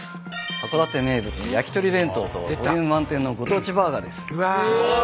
函館名物やきとり弁当とボリューム満点のご当地バーガーです。